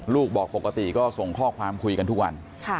บอกปกติก็ส่งข้อความคุยกันทุกวัน